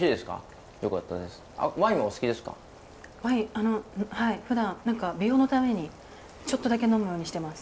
あのはいふだん何か美容のためにちょっとだけ呑むようにしてます。